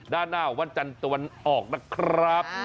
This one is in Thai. ด้านหน้าวันจันทร์ตะวันออกนะครับ